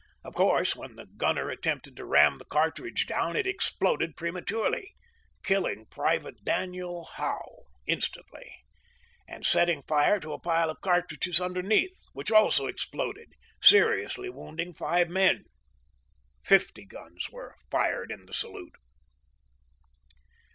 Of course, when the gunner attempted to ram the cartridge down it exploded prematurely, killing Private Daniel Hough instantly, and setting fire to a pile of cartridges underneath, which also exploded, seriously wounding five men. Fifty guns were fired in the salute.